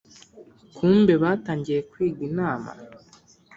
kumbe batangiye kwiga inama